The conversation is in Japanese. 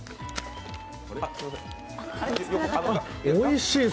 あ、おいしい。